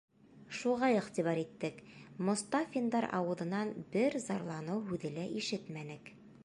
Шуға иғтибар иттек: Мостафиндар ауыҙынан бер зарланыу һүҙе лә ишетмәнек.